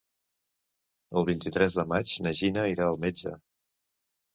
El vint-i-tres de maig na Gina irà al metge.